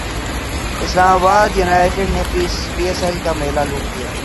اسلام باد یونائٹیڈ نے P S L کا میلہ لوٹ لیا